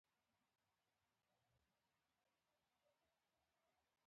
خپل ځان ته وخت ورکړئ او ارام وکړئ.